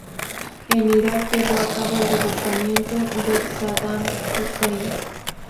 En Irak llevó a cabo el derrocamiento de Saddam Husein.